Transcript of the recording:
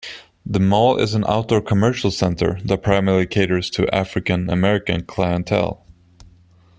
The mall is an outdoor commercial center that primarily caters to African American clientele.